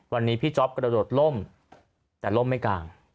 วันนี้พี่จ๊อปกระโดดล่มแต่ล่มไม่กลาง